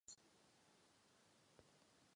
Tradiční výroba se velmi podobá výrobě whisky.